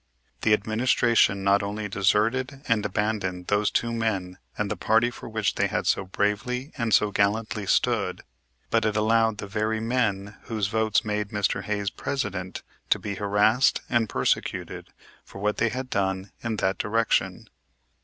The Administration not only deserted and abandoned those two men and the party for which they had so bravely and so gallantly stood, but it allowed the very men whose votes made Mr. Hayes President to be harassed and persecuted for what they had done in that direction.